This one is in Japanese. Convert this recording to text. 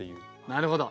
なるほど。